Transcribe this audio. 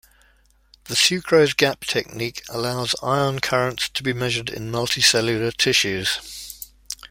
The sucrose gap technique allows ion currents to be measured in multicellular tissues.